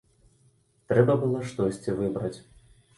Трэба было штосьці выбраць.